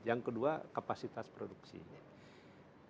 yang kedua kapasitas produksinya